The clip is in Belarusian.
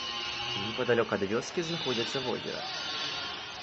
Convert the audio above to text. Непадалёк ад вёскі знаходзіцца возера.